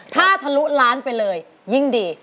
ถ้าทะลุล้านไปเลยยิ่งดี